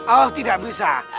oh tidak bisa